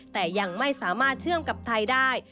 แต่ยังไม่สามารถเชื่อมกับไทยได้